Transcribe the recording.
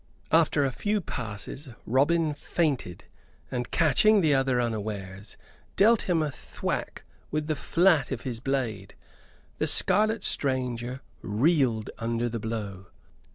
After a few passes Robin feinted, and, catching the other unawares, dealt him a thwack with the flat of his blade. The scarlet stranger reeled under the blow.